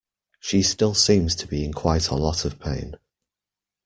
She still seems to be in quite a lot of pain.